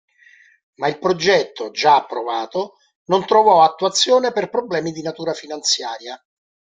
Ma il progetto, già approvato, non trovò attuazione per problemi di natura finanziaria.